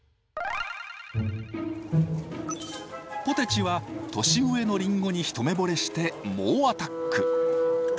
ポテチは年上のリンゴに一目ぼれしてもうアタック。